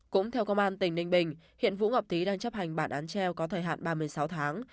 cũng theo công an tỉnh ninh bình hiện vũ ngọc tý đang chấp hành bản án treo có thời hạn ba mươi sáu tháng